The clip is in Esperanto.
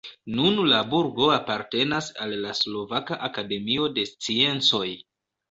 Nun la burgo apartenas al la Slovaka Akademio de Sciencoj.